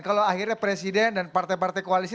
kalau akhirnya presiden dan partai partai koalisi